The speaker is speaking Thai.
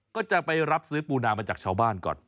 ก็จะไปรับซื้อปูนามาจากชาวบ้านก่อน